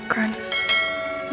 begitu banyak yang saya inginkan